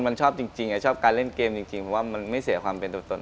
ถ้าคนชอบจริงชอบการเล่นเกมจริงมันไม่เสียความเป็นตัวตน